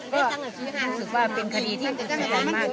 ก็รู้สึกว่าเป็นคดีที่ไหนบ้างมาก